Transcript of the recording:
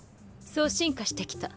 そう進化してきた。